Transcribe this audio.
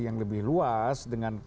yang lebih luas